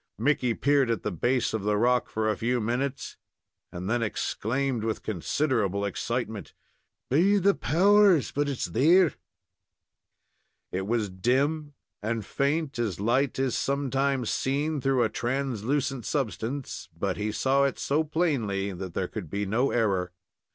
Mickey peered at the base of the rock for a few minutes, and then exclaimed, with considerable excitement: "Be the powers! but it's there!" It was dim and faint, as light is sometimes seen through a translucent substance, but he saw it so plainly that there could be no error.